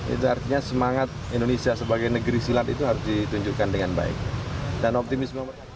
itu artinya semangat indonesia sebagai negeri silat itu harus ditunjukkan dengan baik dan optimisme mereka